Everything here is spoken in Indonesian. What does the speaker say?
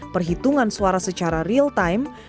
perhitungan suara secara real time